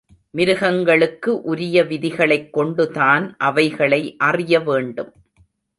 மிருகங்களுக்கு உரிய விதிகளைக் கொண்டு தான் அவைகளை அறிய வேண்டும்.